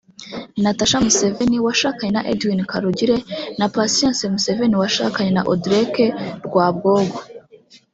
Natasha Museveni washakanye na Edwin Karugire na Patience Museveni washakanye na Odrek Rwabwogo